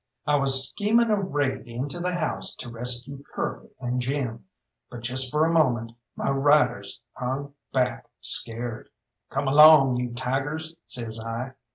I was scheming a raid into the house to rescue Curly and Jim, but just for a moment my riders hung back scared. "Come along, you tigers!" says I.